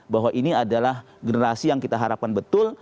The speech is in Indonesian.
bahwa ini adalah generasi yang kita harapkan betul